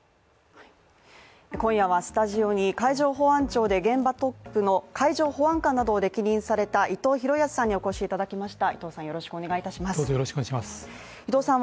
今夜はスタジオに海上保安庁で現場トップの海上保安官などを歴任された伊藤裕康さんにお越しいただきました伊藤さん